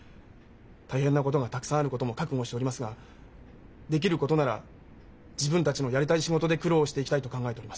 大変なことがたくさんあることも覚悟しておりますができることなら自分たちのやりたい仕事で苦労をしていきたいと考えております。